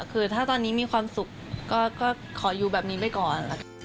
คือถ้าตอนนี้มีความสุขก็ขออยู่แบบนี้ไปก่อน